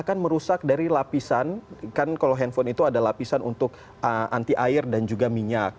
kan merusak dari lapisan kan kalau handphone itu ada lapisan untuk anti air dan juga minyak